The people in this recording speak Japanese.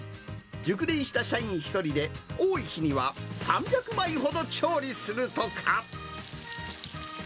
熟練した社員１人で多い日には３００枚ほど調理するとか。